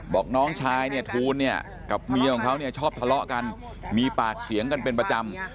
บอกน้องชายเนี่ยทูลเนี่ยกับเมียของเขาเนี่ยชอบทะเลาะกันมีปากเสียงกันเป็นประจำ